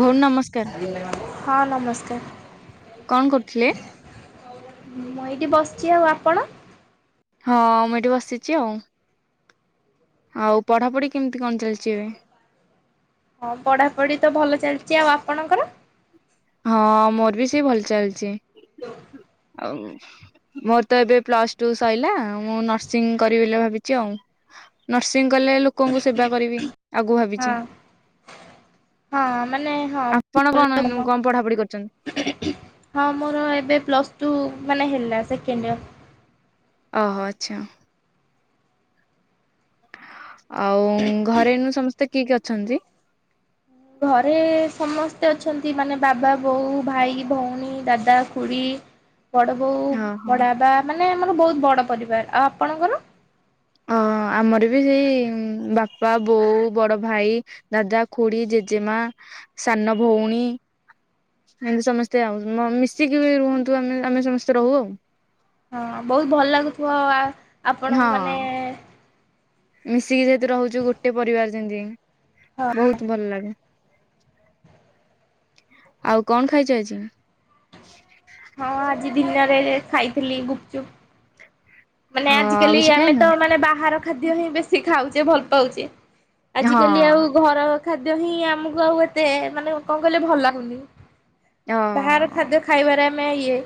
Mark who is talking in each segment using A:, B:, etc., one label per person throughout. A: ଭଉଣୀ ନମସ୍କାର।
B: ହଁ ନମସ୍କାର।
A: କଣ କରୁଥିଲେ?
B: ମୁଁ ଏଇଠି ବସିଛି ଆଉ ଆପଣ?
A: ହଁ ମୁଁ ଏଠି ବସିଛି ଆଉ। ଆଉ ପଢାପଢି କେମିତି କଣ ଚାଲିଛି ଏବେ?
B: ହଁ ପଢାପଢି ତ ଭଲ ଚାଲିଛି ଆଉ ଆପଣଙ୍କର?
A: ହଁ ମୋର ବି ସେ ଭଲ ଚାଲିଛି।
B: [unintelligible]
A: ଆଉ ମୋର ତ ଏବେ ପ୍ଲସ ଟୁ ସଇଲା ମୁଁ ନର୍ସିଂ କରିବି ବୋଲି ଭାବିଛି ଆଉ। ନର୍ସିଂ କଲେ ଲୋକଙ୍କୁ ସେବା କରିବି ଆଗକୁ
B: ହଁ।
A: ଭାବିଛି।
B: ହଁ ମାନେ ହଁ
A: ଆପଣ
B: ଭଲ
A: କଣ ଏଇନୁ
B: [unintelligible]
A: କଣ ପଢାପଢି କ? [unintelligible]
B: ହଁ, ମୋର ଏବେ ପ୍ଲସ୍ ଟୁ ମାନେ ହେଲା ସେକେଣ୍ଡ ଇଅର।
A: ଓହୋ, ଆଚ୍ଛା। ଆଉ ଘରେ ଏଇନୁ ସମସ୍ତେ କିଏ କିଏ ଅଛନ୍ତି।
B: ଘରେ ସମସ୍ତେ ଅଛନ୍ତି, ମାନେ ବାବା, ବୋଉ, ଭାଇ, ଭଉଣୀ, ଦାଦା, ଖୁଡ଼ି।
A: [inaudible]
B: ବଡ଼ ବୋଉ,
A: ଓହୋ।
B: ବଡ଼ବାପା, ମାନେ ଆମର ବହୁତ ବଡ଼ ପରିବାର। ଆଉ ଆପଣଙ୍କର?
A: ହଁ, ଆମର ବି ସେଇ ବାପା, ବୋଉ, ବଡଭାଇ। ଦାଦା, ଖୁଡି, ଜେଜେମା, ସାନଭଉଣୀ। ଏମତି ସମସ୍ତେ ଆଉ ମିଶିକି ବି ରୁହନ୍ତୁ ଆମେ ଆମେ ସମସ୍ତେ ରହୁ ଆଉ।
B: ହଁ ବହୁତ ଭଲ ଲାଗୁଥିବ ଆପଣଙ୍କୁ
A: ହଁ
B: ମାନେ
A: ମିଶିକି ଯେହେତୁ ରହୁଛୁ ଗୋଟେ ପରିବାର ଯେମତି।
B: ହଁ
A: ବହୁତ ଭଲ ଲାଗେ। ଆଉ କଣ ଖାଇଛ ଆଜି?
B: ହଁ, ଆଜି ଦିନରେ ଖାଇଥିଲି ଗୁପଚୁପ୍। ମାନେ
A: ହଁ ଆଉ
B: ଆଜିକାଲି
A: କିଛି
B: ଆମେ
A: ଖାଇନ
B: ତ ମାନେ ବାହାର ଖାଦ୍ୟ ହିଁ ବେଶୀ ଖାଉଚେ ଭଲ ପାଉଚେ।
A: ହଁ
B: ଆଜିକାଲି ଆଉ ଘର ଖାଦ୍ୟ ହିଁ ଆମକୁ ଆଉ ଏତେ ମାନେ କଣ କହିଲେ ଭଲ ଲାଗୁନି।
A: ଅ
B: ବାହାର ଖାଦ୍ୟ ଖାଇବାରେ ଆମେ ଇଏ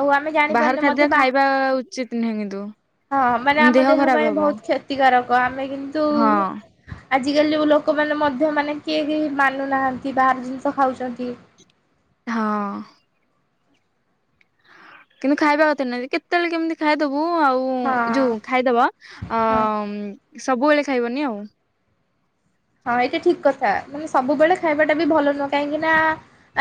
B: ଆଉ ଆମେ ଯା
A: ବାହାର ଖାଦ୍ୟ ଖାଇବା ଉଚିତ ନୁହେଁ କିନ୍ତୁ।
B: ହଁ ମାନେ ଆମ ଦେହ ପାଇଁ ବହୁତ କ୍ଷତିକାରକ ଆମେ କିନ୍ତୁ
A: ହଁ।
B: ଆଜିକାଲି ଯୋଉ ଲୋକମାନେ ମଧ୍ୟ ମାନେ କିଏ କେହି ମାନୁନାହାନ୍ତି ବାହାର ଜିନିଷ ଖାଉଚନ୍ତି।
A: ହଁ। କିନ୍ତୁ ଖାଇବା କଥା ନୁହେଁ କେତେବେଳେ କେମିତି ଖାଇଦେବୁ ଆଉ।
B: ହଁ
A: ଯୋଉ ଖାଇଦବ ଅ
B: ହଁ।
A: ସବୁବେଳେ ଖାଇବନି ଆଉ।
B: ହଁ ଏଟା ଠିକ୍ କଥା ମାନେ ସବୁବେଳେ ଖାଇବାଟା ବି ଭଲ ନୁହଁ କାହିଁକି ନା।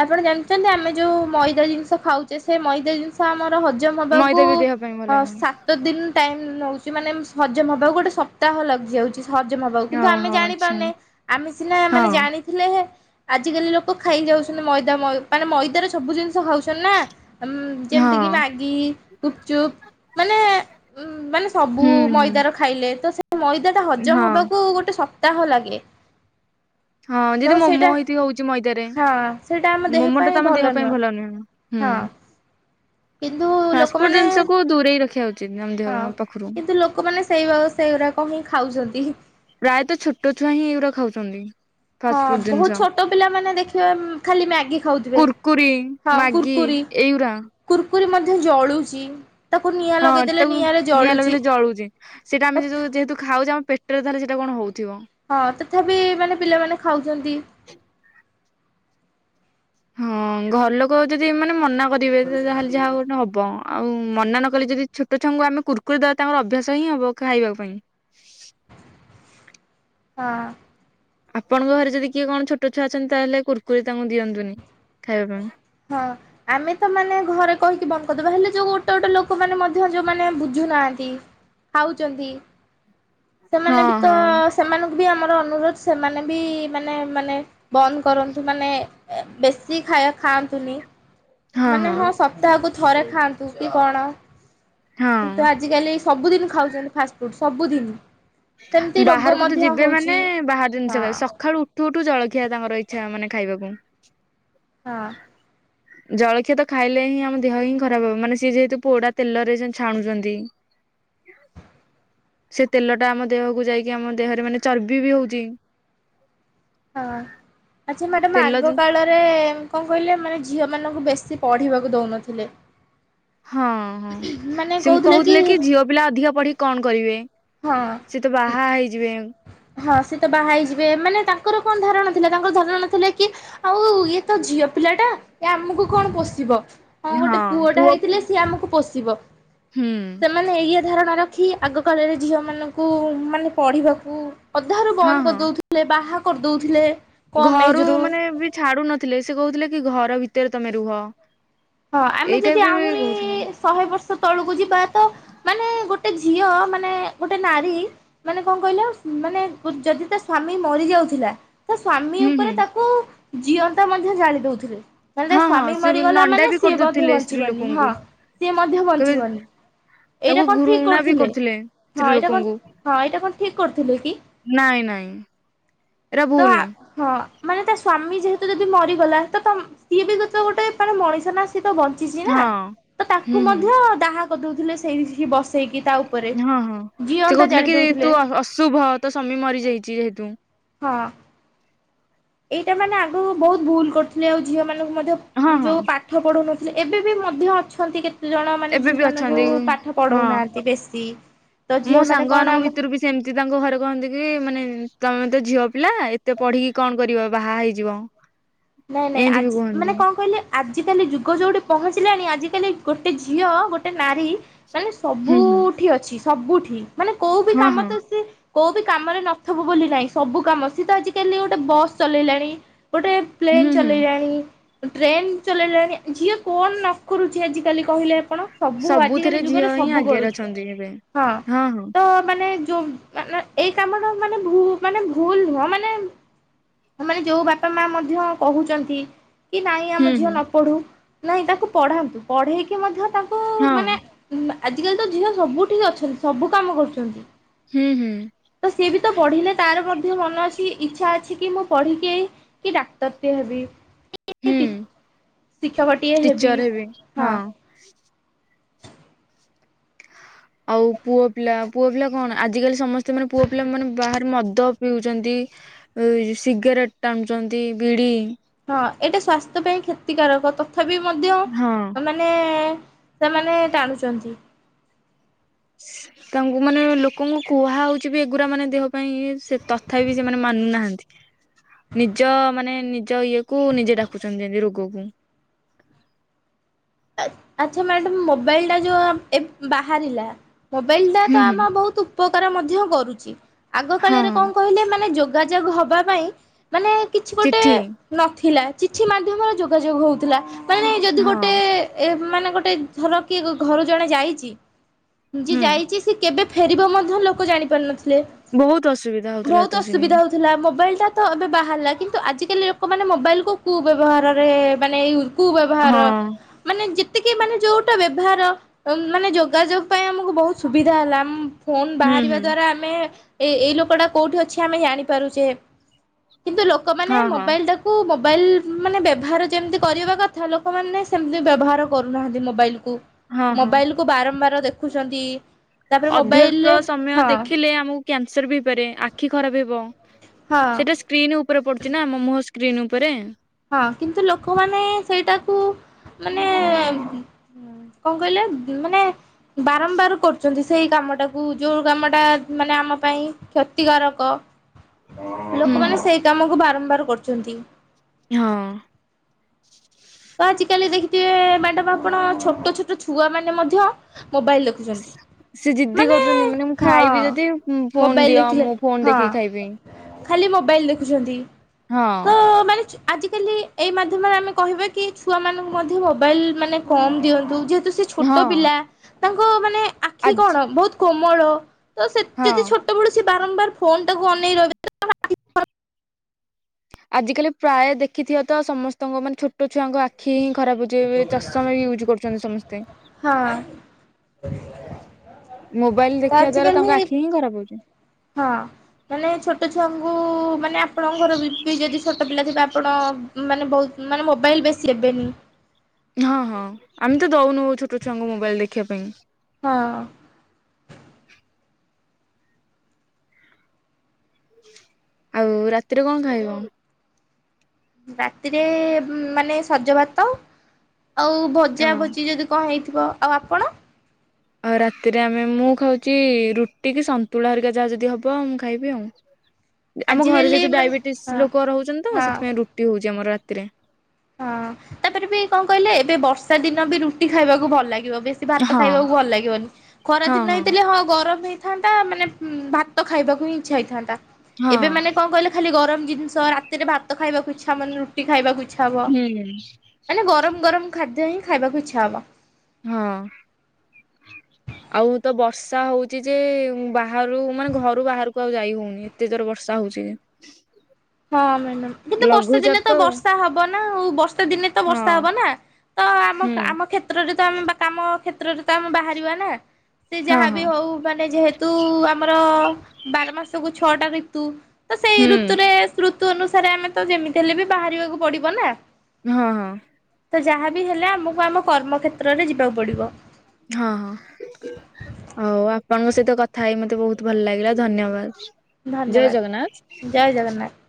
B: ଆପଣ ଜାଣିଛନ୍ତି ଆମେ ଯୋଉ ମଇଦା ଜିନିଷ ଖାଉଛେ ସେ ମଇଦା ଜିନିଷ ତ ଆମର ହଜମ ହବାକୁ
A: ମଇଦା ବି ଦେହ ପାଇଁ ଭଲ ନୁହେଁ
B: ତ ଦିନ ଟାଇମ ନଉଚି ମାନେ ହଜମ ହବା ଗୋଟେ ସପ୍ତାହ ଲାଗିଯାଉଚି। ହଜମ ହବାକୁ କିନ୍ତୁ ଆମେ
A: ଓହୋ ଆଚ୍ଛା
B: ଜାଣିପାରୁନେ, ଆମେ ସିନା
A: ହଁ
B: ହେଲେ ଆଜିକାଲି ଲୋକ ଖାଇ ଯାଉଚନ୍ତି ମଇଦା ମାନେ ମଇଦାରେ ସବୁ ଜିନିଷ ଖାଉଚନ୍ତି। ନା
A: ହଁ
B: ଯେମତି କି ମାଗି ଗୁପ୍ ଚୁପ୍ ମାନେ ମାନେ ସବୁ
A: ହୁଁ ହୁଁ
B: ମଇଦାର ଖାଇଲେ ତ ସେଇ ମଇଦାଟା
A: ହଁ।
B: ହଜମ ହେବାକୁ ଗୋଟେ ସପ୍ତାହ ଲାଗେ।
A: ହଁ
B: ତ
A: ଯେମିତି
B: ସେଇଟା
A: ମୋମୋ ହେଇଠି ହଉଛି ମଇଦାରେ
B: ହଁ ସେଇଟା ଆମ ଦେହ
A: ମୋମୋ ଟା
B: ପାଇଁ
A: ତ ଆମ ଦେହ
B: ନୁହଁ
A: ପାଇଁ ଭଲ ନୁହେଁ।
B: ହଁ। କିନ୍ତୁ
A: ଫାଷ୍ଟଫୁଡ୍
B: ଲୋକମାନେ
A: ଜିନିଷକୁ ଦୂରେଇ ରଖିବା ଉଚିତ ଆମ ଦେହ
B: ହଁ
A: ପାଖରୁ।
B: କିନ୍ତୁ ଲୋକମାନେ ସେଇ ସେଇଗୁଡ଼ାକ ହିଁ ଖାଉଚନ୍ତି।
A: ପ୍ରାୟତଃ ଛୋଟ ଛୁଆ ହିଁ ଏଉରା ଖାଉଚନ୍ତି।
B: ହଁ, ବହୁତ ଛୋଟ ପିଲାମାନେ ଦେଖିବେ ଖାଲି ମ୍ୟାଗି ଖାଉଥିବେ।
A: କୁର୍ କୁରି।
B: ହଁ
A: ମାଗି
B: କୁୁରକୁରି
A: ଏଉରା।
B: କୁୁରକୁରି ମଧ୍ୟ ଜଳୁଛି। ତାକୁ ନିଆଁ
A: ହଁ,
B: ଲଗେଇଦେଲେ
A: ତାକୁ
B: ନିଆଁରେ
A: ନିଆଁ
B: ଜଳୁଛି
A: ଲଗେଇିଲେ ଜଳୁଛି ସେଇଟା ଆମେ
B: ତଥା
A: ଯଉ ଯେହେତୁ ଖାଉଛି ଆମ ପେଟ ପେଟରେ ତାହାର ସେଇଟା କଣ ହଉଥିବ।
B: ହଁ, ତଥାପି ମାନେ ପିଲାମାନେ ଖାଉଚନ୍ତି।
A: ହଁ, ଘର ଲୋକ ଯଦି ଏମାନେ ମନା କରିବେ ଯାହାହେଲେ ଯାହା ଗୋଟେ ହବ ଆଉ ମନା ନ କଲେ ଯଦି ଛୋଟ ଛୁଆଙ୍କୁ ଆମେ କୁର୍ କୁରି ଦେବା ତାଙ୍କର ଅଭ୍ୟାସ ହିଁ ହବ ଖାଇବା ପାଇଁ।
B: ହଁ।
A: ଆପଣଙ୍କ ଘରେ ଯଦି କିଏ କଣ ଛୋଟ ଛୁଆ ଅଛନ୍ତି ତାହେଲେ କୁର୍ କୁରି ତାଙ୍କୁ ଦିଅନ୍ତୁନି ଖାଇବା ପାଇଁ।
B: ହଁ। ଆମେ ତ ମାନେ ଘରେ କହିକି ବନ୍ଦ କରିଦେବା ହେଲେ ଯୋଉ ଗୋଟେ ଗୋଟେ ଲୋକମାନେ ମଧ୍ୟ ଯୋଉମାନେ ବୁଝୁନାହାନ୍ତି। ଖାଉଚନ୍ତି।
A: ହଁ
B: ସେମାନେ ବି ତ
A: ହଁ
B: ସେମାନଙ୍କୁ ବି ଆମର ଅନୁରୋଧ ସେମାନେ ବି ମାନେ ମାନେ ବନ୍ଦ କରନ୍ତୁ ମାନେ ବେଶୀ ଖାଇ ଖାଆନ୍ତୁନି ମାନେ ହଁ ସ ସପ୍ତାହ କୁ ଥରେ ଖାଆନ୍ତୁ କି କଣ କିନ୍ତୁ
A: ହଁ
B: ଆଜିକାଲି ସବୁଦିନ ଖାଉଚନ୍ତି ଫାଷ୍ଟଫୁଡ ସବୁଦିନ। ସେମିତି ରୋଗ
A: ବାହାରକୁ ତ
B: ମଧ୍ୟ
A: ଯିବେ ମାନେ
B: ହଉଛି।
A: ବାହାର
B: ହଁ
A: ଜିନିଷ ଖାଇଏ ସକାଳୁ ଉଠ ଠୁଠୁ ଜଳଖିଆ ତାଙ୍କର ଇଚ୍ଛା ମାନେ ଖାଇବାକୁ।
B: ହଁ।
A: ହୁ [unintelligible] ଜଳଖିଆ ତ ଖାଇଲେ ହିଁ ଆମ ଦେହ ହିଁ ଖରାପ ହବ ମାନେ ସିଏ ଯେହେତୁ ପୋଡା ତେଲରେ ଛାଣୁଛନ୍ତି। ସେ ତେଲ ଟା ଆମ ଦେହକୁ ଯାଇକି ଆମ ଦେହରେ ମାନେ ଚର୍ବି ବି ହଉଛି।
B: ହଁ, ଆଚ୍ଛା ମ୍ୟାଡାାମ
A: ତେଲ
B: ଆଗ
A: ଜିନ
B: କାଳ ରେ କଣ କହିଲେ ମାନେ ଝିଅ ମାନଙ୍କୁ ବେଶୀ ପଢ଼ିବାକୁ ଦଉନଥିଲେ।
A: ହଁ ହଁ ସେ କହୁଥିଲେ କି ଝିଅ ପିଲା ଅଧିକା ପଢ଼ି କି କଣ କରିବେ।
B: ହଁ।
A: ସିଏ ତ ବାହା ହେଇଯିବେ।
B: ହଁ ସେ ତ ବାହା ହେଇଯିବେ, ମାନେ ତାଙ୍କର କଣ ଧାରଣା ଥିଲା ତାଙ୍କର ଧାରଣା ଥିଲା କି ଆଉ ଇଏ ତ ଝିଅ ପିଲା ଟା ଏ ଆମକୁ କଣ ପୋଷିବ। ହଁ ଗୋଟେ ପୁଅ ଟା ହେଇଥିଲେ ସିଏ ଆମକୁ ପୋଷିବ।
A: ହୁଁ।
B: ସେମାନେ ଏଇଆ ଧାରଣା ରଖି ଆଗ କାଳରେ ଝିଅ ମାନଙ୍କୁ ମାନେ ପଢ଼ିବାକୁ ଅଧାରୁ
A: ହଁ
B: ବନ୍ଦ
A: ହଁ।
B: କରିଦଉଥିଲେ, ବାହା କରିଦଉଥିଲେ କମ୍ ଏଜ୍
A: ଘରୁ
B: ରୁ।
A: ମାନେ ବି ଛାଡ଼ୁ ନଥିଲେ, ସେ କହୁଥିଲେ କି ଘର ଭିତରେ ତମେ ରୁହ।
B: ହଁ ଆମେ
A: ଏଇ ଟାଇପ
B: ଯଦି
A: ରେ ବି
B: ଆହୁରି
A: କହୁଥିଲେ
B: ଶହେ ବର୍ଷ ତଳକୁ ଯିବା ତ ମାନେ ଗୋଟେ ଝିଅ ମାନେ ଗୋଟେ ନାରୀ ମାନେ କଣ କହିଲ ମାନେ ଯଦି ତା ସ୍ଵାମୀ ମରି ଯାଉଥିଲା ତା ସ୍ଵାମୀ
A: ହୁଁ ହୁଁ
B: ଉପରେ ତାକୁ ଜିଅନ୍ତା ମଧ୍ୟ ଜାଳି ଦଉଥିଲେ। ମାନେ ତା
A: ହଁ ହଁ
B: ସ୍ଵାମୀ
A: ସେ
B: ମରିଗଲା
A: ନଣ୍ଡା
B: ମାନେ
A: ବି
B: ସିଏ ମଧ୍ୟ
A: କରିଦଉଥିଲେ
B: ବଞ୍ଚି
A: ସ୍ତ୍ରୀ
B: ବନି ହଁ
A: ଲୋକଙ୍କୁ
B: ସିଏ ମଧ୍ୟ
A: କେବେ
B: ବଞ୍ଚିବନି। ଏଇଟା
A: ତାକୁ
B: କଣ ଠିକ
A: ଘୃଣା ବି
B: କରୁଥିଲେ? ହଁ
A: ସ୍ତ୍ରୀ
B: ଏଇଟା
A: ଲୋକଙ୍କୁ
B: କଣ ହଁ ଏଇଟା କଣ ଠିକ କରୁଥିଲେ କି?
A: ନାଇଁ ନାଇଁ ଏରା
B: ତ
A: ଭୁଲ।
B: ହଁ, ମାନେ ତା ସ୍ଵାମୀ ଯେହେତୁ ଯଦି ମରିଗଲା ତ ସିଏ ବି ଗୋଟେ ମାନେ ମଣିଷ ନା ସିଏ ତ ବଞ୍ଚିଛି ନା
A: ହଁ
B: ତ ତାକୁ
A: ହୁଁ
B: ମଧ୍ୟ
A: ହୁଁ
B: ଦାହା କରିଦଉଥିଲେ ସେଇ ବ
A: ହଁ ହଁ, ସେ କହୁଥିଲେ
B: ଜାଳି
A: କି
B: ଦଉଥିଲେ
A: ତୁ ଅଶୁଭ ତୋ ସ୍ୱାମୀ ମରିଯାଇଛି ଯେହେତୁ।
B: ହଁ। ଏଇଟା ମାନେ ଆଗରୁ ବହୁତ ଭୁଲ କରୁଥିଲେ ଆଉ ଝିଅ ମାନଙ୍କୁ ମଧ୍ୟ
A: ହଁ ହଁ
B: ଯୋଉ ପାଠ ପାଠ ପଢ଼ଉ ନଥିଲେ। ଏବେ ବି ମଧ୍ୟ ଅଛନ୍ତି କେତେ ଜଣ ମାନେ
A: ଏବେ
B: ଝିଅ
A: ବି
B: ମାନଙ୍କୁ
A: ଅଛନ୍ତି
B: ପାଠ ପଢ଼ଉ
A: ହଁ
B: ନାହାନ୍ତି ବେଶୀ। ତ
A: ମୋ
B: ଝିଅ ମାନେ
A: ସାଙ୍ଗ
B: କଣ
A: ମାନଙ୍କ
B: ଆମ
A: ଭିତରୁ ବି ସେମିତି ତାଙ୍କ ଘରେ କହନ୍ତି କି ମାନେ ତମେ ମତେ ଝିଅ ପିଲା ଏତେ ପଢ଼ି କି କଣ କରିବ ବାହା ହେଇଯିବ। [inaudible]
B: ନାଇଁ ନାଇଁ
A: ଏମିତି ବି
B: ଆଜି ମାନେ
A: କୁହନ୍ତି।
B: କଣ କହିଲେ ଆଜିକାଲି ଯୁଗ ଯେଉଁଠି ପହଞ୍ଚିଲାଣି, ଆଜିକାଲି ଗୋଟେ ଝିଅ ଗୋଟେ ନାରୀ ମାନେ
A: ହୁଁ ହୁଁ
B: ସବୁଠି ଅଛି ସବୁଠି। ମାନେ କୋଉ ବିି
A: ହଁ
B: କାମ
A: ହଁ
B: ତ ସେ କୋଉ ବି କାମରେ ନଥିବୁ ବୋଲି ନାହିଁ ସବୁ କାମ। ସିଏ ତ ଆଜିକାଲି ଗୋଟେ ବସ୍ ଚଲେଇଲାଣି, ଗୋଟେ ପ୍ଲେନ୍
A: ହୁଁ ହୁଁ
B: ଚଲେଇଲାଣି ଟ୍ରେନ୍ ଚଲେଇଲାଣି। ଝିଅ କଣ ନ କରୁଛି ଆଜିକାଲି କହିଲେ ଆପଣ। ସବୁ ଆଜିକାଲି
A: ସବୁଥିରେ
B: ଯୁଗରେ
A: ଝିଅ ହିଁ
B: ସବୁ
A: ଆଗରେ
B: କରୁଛି।
A: ଅଛନ୍ତି ଏବେ।
B: ହଁ ତ ମାନେ ଯୋଉ ମାନେ ଏଇ କାମର ମାନେ ଭୁ ମାନେ ଭୁଲ ନୁହଁ ମାନେ ମାନେ ଯୋଉ ବାପା ମା ମଧ୍ୟ କହୁଛନ୍ତି କି ନାଇଁ
A: ହୁଁ
B: ଆମ ଝିଅ
A: ହୁଁ
B: ନ ପଢ଼ୁ। ନାହିଁ ତାକୁ ପଢ଼ାନ୍ତୁ ପଢ଼େଇକି ମଧ୍ୟ ତାଙ୍କୁ
A: ହଁ।
B: ମାନେ ଆଜିକାଲି ତ ଝିଅ ସବୁଠି ଅଛନ୍ତି ସବୁ କାମ କରୁଛନ୍ତି।
A: ହୁଁ ହୁଁ।
B: ତ ସିଏ ବି ତ ପଢ଼ିଲେ ତାର ମଧ୍ୟ ମନ ଅଛି, ଇଚ୍ଛା ଅଛି କି ମୁଁ ପଢ଼ି କି ଏଇ କି ଡାକ୍ତର ଟିଏ ହେବି,
A: ହୁଁ
B: [unintelligible] ଶିକ୍ଷକ ଟିଏ ହେବି।
A: ଟିଚର ହେବେ
B: ହଁ।
A: ଆଉ ପୁଅ ପିଲା, ପୁଅ ପିଲା କଣ ଆଜିକାଲି ସମସ୍ତେ ମାନେ ପୁଅ ପିଲା ମାନେ ବାହାରେ ମଦ ପିଉଛନ୍ତି, ଏ ସିଗାରେଟ ଟାଣୁଛନ୍ତି, ବିଡ଼ି
B: ହଁ ଏଇଟା ସ୍ଵାସ୍ଥ୍ୟ ପାଇଁ କ୍ଷତିକାରକ ତଥାପି ମଧ୍ୟ
A: ହଁ।
B: ମାନେ ମାନେ ସେମାନେ ଟାଣୁଛନ୍ତି।
A: [inaudible] ତାଙ୍କୁ ମାନେ ଲୋକଙ୍କୁ କୁହାହୋଉଛି ବି ଏଗୁରା ମାନେ ଦେହ ପାଇଁ ସେ ତଥାପି ସେମାନେ ମାନୁନାହାନ୍ତି ନିଜ ମାନେ ନିଜ ଇଏକୁ ନିଜେ ଡାକୁଛନ୍ତି ଯେମତି ରୋଗକୁ।
B: ଆ ଆଚ୍ଛା ମ୍ୟାଡ଼ାମ୍ ମୋବାଇଲଟା ଯେଉଁ ଏବ୍ ବାହାରିଲା ମୋବାଇଲଟା
A: ହୁଁ
B: ତ
A: ହୁଁ
B: ଆମ ବହୁତ ଉପକାର ମଧ୍ୟ କରୁଛି। ଆଗ
A: ହଁ
B: କାଳରେ କଣ କହିଲେ ମାନେ ଯ ଯୋଗାଯୋଗ ହବା ପାଇଁ ମାନେ କିଛି ଗୋଟେ
A: ଚିଠି
B: ନଥିଲା ଚିଠି ମାଧ୍ୟମର ଯୋଗାଯୋଗ ହେଉଥିଲା। ମାନେ ଯଦି
A: ହଁ।
B: ଗୋଟେ ଏ ମାନେ ଗୋଟେ ଧର କିଏ ଘରୁ ଜଣେ ଯାଇଛି। ଯିଏ
A: ହୁଁ
B: ଯାଇଛି ସେ କେବେ ଫେରିବ ମଧ୍ୟ ଲୋକ ଜାଣିପାରୁନଥିଲେ।
A: ବହୁତ ଅସୁବିଧା ହଉଥିଲା ହେତବେଳସିକି।
B: ଥିଲା ମୋବାଇଲଟା ତ ଏବେ ବାହାରିଲା କିନ୍ତୁ ଆଜିକାଲି ଲୋକମାନେ ମୋବାଇଲକୁ କୁ ବ୍ୟବହାରରେ ମାନେ ୟୁ କୁ ବ୍ୟବହାର
A: ହଁ
B: ମାନେ ଯେତିକି ମାନେ ଯୋଉଟା ବ୍ୟବହାର ମାନେ ଯୋଗାଯୋଗ ପାଇଁ ଆମକୁ ବହୁତ ସୁବିଧା ହେଲା ଆମ ଫୋନ
A: ହୁଁ
B: ବାହାରିବା
A: ହୁଁ
B: ଦ୍ଵାରା ଆମେ ଏ ଏଇ ଲୋକ ଟା କୋଉଠି ଅଛି ଆମେ ଜାଣିପାରୁଛେ। କିନ୍ତୁ ଲୋକମାନେ
A: ହଁ ହଁ
B: ମୋବାଇଲ ଟା କୁ ମୋବାଇଲ ମାନେ ବ୍ୟବହାର ଯେମିତି କରିବା କଥା ଲୋକମାନେ ସେ ବ୍ୟବହାର କରୁନାହାନ୍ତି ମୋବାଇଲ କୁ
A: ହଁ ହଁ।
B: ମୋବାଇଲ କୁ ବାରମ୍ବାର ଦେଖୁଛନ୍ତି ତାପରେ
A: ଅଧିକ
B: ମୋବାଇଲରେ
A: ସମୟ
B: ହଁ
A: ଦେଖିଲେ ଆମକୁ କ୍ୟାନସର ବି ହେଇପାରେ ଆଖି ଖରାପ ହେବ
B: ହଁ।
A: ସେଟା ସେ ସ୍କ୍ରିନ୍ ଉପରେ ପଡୁଛି ନା ଆମ ମୁହଁ ସ୍କ୍ରିନ୍ ଉପରେ।
B: ହଁ କିନ୍ତୁ ଲୋକମାନେ ସେଇଟାକୁ ମାନେ ହ କଣ କହିଲେ ମାନେ ବାରମ୍ବାର କରୁଛନ୍ତି ସେଇ କାମଟାକୁ ଯୋଉ କାମଟା ମାନେ ଆମ ପାଇଁ କ୍ଷତିକାରକ।
A: ହୁଁ
B: ଲୋକମାନେ
A: ହୁଁ।
B: ସେଇ କାମକୁ ବାରମ୍ବାର କରୁଛନ୍ତି।
A: ହଁ।
B: ତ ଆଜିକାଲି ଦେଖିଥିବେ ମ୍ୟାଡମ ଆପଣ ଛୋଟ ଛୋଟ ଛୁଆ ମାନେ ମଧ୍ୟ ମୋବାଇଲ ଦେଖୁ ଛନ୍ତି।
A: ସେ ଜିଦ୍ଦି କରୁଛନ୍ତି ମାନେ ମୁଁ ଖାଇବି ଯଦି ଫୋନ
B: ମୋବାଇଲ
A: ଦିଅ
B: ଦେଖିଲେ
A: ମୁଁ ଫୋନ
B: ହଁ
A: ଦେଖିକି ଖାଇବି।
B: ଖାଲି ମୋବାଇଲ ଦେଖୁଛନ୍ତି ତ
A: ହଁ।
B: ମାନେ ଆଜିକାଲି ଏଇ ମାଧ୍ୟମରେ ଆମେ କହିବା କି ଛୁଆ ମାନଙ୍କୁ ମଧ୍ୟ ମୋବାଇଲ ମାନେ କମ ଦିଅନ୍ତୁ ଯେହେତୁ ସେ ଛୋଟ
A: ହଁ
B: ପିଲା ତାଙ୍କ ମାନେ ଆଖି କଣ
A: ଆଜି
B: ବହୁତ କୋମଳ ତ ସେ ଯଦି
A: ହଁ।
B: ଛୋଟ ଯେତେବେଳେ ସେ ବାରମ୍ୱାର ଫୋନଟାକୁ ଅନେଇ ରିହିବେ
A: ଆଜିିକାଲି ପ୍ରାୟ ଦେଖିଥିବ ତ ସମସ୍ତଙ୍କ ମାନେ ଛୋଟ ଛୋଟ ଛୁଆଙ୍କ ଆଖି ହିଁ ଖରାପ ହଉଛି ଏବେ ଚଷମା ୟୁଜ୍ କରୁଛନ୍ତି ସମସ୍ତେ।
B: ହଁ।
A: ମୋବାଇଲ
B: ତ
A: ଦେଖିବା ଦ୍ଵାରା
B: ଆଜିକାଲି
A: ତାଙ୍କ ଆଖି ହିଁ ଖରାପ ହଉଛି।
B: ହଁ। ମାନେ ଛୋଟ ଛୁଆଙ୍କୁ ମାନେ ଆପଣଙ୍କ ଘର ବି ଯଦି ଛୋଟ ପିଲା ଥିବେ ଆପଣ ମାନେ ବହୁତ ମାନେ ମୋବାଇଲ୍ ବେଶୀ ଦେବେନି।
A: ହଁ ହଁ ଆମେ ତ ଦଉନୁ ଛୋଟ ଛୁଆଙ୍କୁ ମୋବାଇଲ ଦେଖିବା ପାଇଁ।
B: ହଁ।
A: ଆଉ ରାତିରେ କଣ ଖାଇବ?
B: ରାତିରେ ମାନେ ସଜ ଭାତ ଆଉ
A: ଅ
B: ଭଜା ଭଜି ଯଦି କଣ ହେଇଥିବ ଆଉ ଆପଣ?
A: ଆଉ ରାତିରେ ଆମେ ମୁଁ ଖାଉଛି ରୁଟିକି ସନ୍ତୁଳା ହେରିକା ଯାହା ଯଦି ହବ ମୁଁ ଖାଇବି ଆଉ। ଆମ ଘରେ
B: ଆଜିକାଲି
A: ଯେହେତୁ
B: ମାନେ ହଁ
A: ଡାଇବେଟିସ ଲୋକ ରହୁଛନ୍ତି ତ
B: ହଁ
A: ସେଥିପାଇଁ ରୁଟି ହଉଛି ଆମର ରାତିରେ।
B: ହଁ ତାପରେ ବି କଣ କହିଲେ ଏବେ ବର୍ଷା ଦିନ ବି ରୁଟି ଖାଇବାକୁ ଭଲ ଲାଗିବ ବେଶ ଭାତ
A: ହଁ।
B: ଖାଇବାକୁ ଭଲ ଲାଗିବନି ଖରା ଦିନ ହେଇଥିଲେ ହଁ ଗରମ ହେଇ ଥାନ୍ତା ମାନେ ଭାତ ଖାଇବାକୁ ହିଁ ଇଚ୍ଛା ହେଇଥାନ୍ତା। ଏବେ ମାନେ
A: ହଁ
B: କଣ କହିଲେ ଖାଲି ଗରମ ଜିନିଷ ରାତିରେ ଭାତ ଖାଇବାକୁ ଇଚ୍ଛା ମାନେ ରୁଟି ଖାଇବାକୁ ଇଛା ହବ
A: ହୁଁ
B: ମାନେ ଗରମ ଗରମ ଖାଦ୍ୟ ହିଁ ଖାଇବାକୁ ଇଚ୍ଛା ହବ।
A: ହଁ। ଆଉ ତ ବର୍ଷା ହଉଛି ଯେ ବାହାରୁ ମାନେ ଘରୁ ବାହାରକୁ ଆଉ ଯାଇ ହଉନି। କେତେ ଜୋର ବର୍ଷା ହଉଚ।
B: ହଁ ମ୍ୟାଡ଼ାମ, କିନ୍ତୁ ବର୍ଷା ଦିନେ ତ ବର୍ଷା ହବ ନା ଆଉ ବଷ ତେ ଦିନେ ତ ବର୍ଷା ହବ
A: ହଁ
B: ନା ତ ଆମ
A: ହୁଁ
B: ଆମ କ୍ଷେତ୍ରରେ ତ ଆମେ ବା କାମ କ୍ଷେତ୍ରରେ ତ ଆମେ ବାହାରିବା ନା? ସେ
A: ହଁ
B: ଯାହାବି
A: ହଁ।
B: ହଉ ମାନେ ଯେହେତୁ ଋତୁ ଆମର ବାର ମାସକୁ ଛଅଟା ଋତୁ ତ ସେଇ
A: ହୁଁ
B: ଋତୁରେ ଋତୁ ଅନୁସାରେ ଆମେ ତ ଯେମିତି ହେଲେ ବି ବାହାରିବାକୁ ପଡିବ ନା?
A: ହଁ ହଁ।
B: ତ ଯାହା ବିି ହେଲେ ଆମକୁ ଆମ କର୍ମ କ୍େତ୍ରରେ ଯିବାକୁ ପଡିବ।
A: ହଁ ହଁ। ହଉ ଆପଣଙ୍କ ସହିତ କଥା ହେଇ ମତେ ବହୁତ ଭଲ ଲାଗିଲା ଧନ୍ୟବାଦ। ଜୟ ଜଗନ୍ନାଥ।
B: ଧନ୍ୟବାଦ ଜୟ ଜଗନ୍ନାଥ।